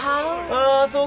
ああそうか。